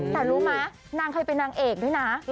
แต่รู้ไหมนางเคยเป็นนางเอกด้วยนะ